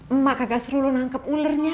emak kagak suruh lo nangkep ulernya